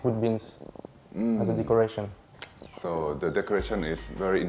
มีบะอย่างละที่มีบะที่มีวิมเกียว